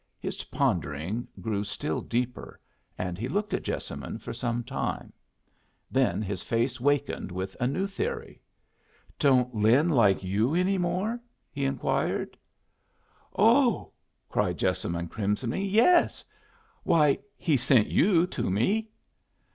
His pondering grew still deeper, and he looked at Jessamine for some while. Then his face wakened with a new theory. "Don't Lin like you any more?" he inquired. "Oh," cried Jessamine, crimsoning, "yes! Why, he sent you to me!"